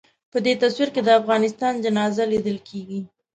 په دغه تصویر کې د افغانستان جنازه لیدل کېږي.